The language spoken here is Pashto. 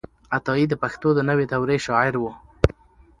عطايي د پښتو د نوې دور شاعر و.